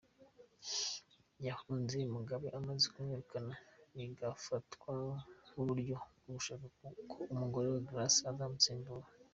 Yahunze Mugabe amaze kumwirukana bigafatwa nk’uburyo bwo gushaka ko umugore we Grace azamusimbura.